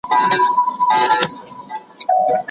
خلفای راشدین د حق په لاره کې د چا له ملامتۍ نه ډارېدل.